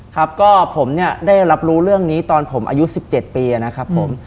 ครับก็ผมเนี่ยได้รับรู้เรื่องนี้ตอนผมอายุ๑๗ปีนะครับผม